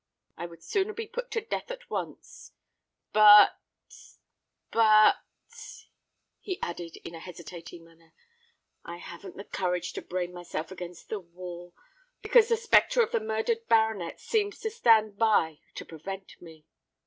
I would sooner be put to death at once: but—but—" he added, in a hesitating manner—"I haven't the courage to brain myself against the wall, because the spectre of the murdered baronet seems to stand by to prevent me."